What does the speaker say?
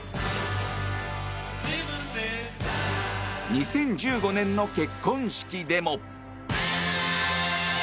２０１５年の結婚式でも。